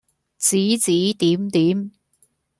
指指點點